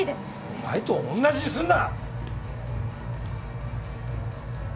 お前と同じにするな！